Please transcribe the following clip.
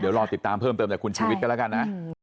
เดี๋ยวรอติดตามเพิ่มเติมจากคุณชูวิทย์กันแล้วกันนะ